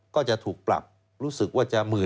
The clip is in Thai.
ก็จะถูกปรับรู้สึกว่าจะ๑๐๐๐๐บาท